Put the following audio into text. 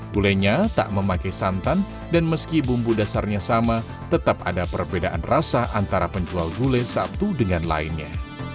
gulainya tak memakai santan dan meski bumbu dasarnya sama tetap ada perbedaan rasa antara penjual gulai satu dengan lainnya